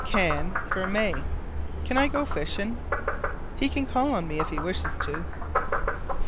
Can for May. "Can I go fishing?" "He can call on me if he wishes to."